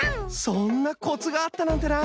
そんなコツがあったなんてな。